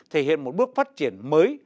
thể hiện một bước phát triển mới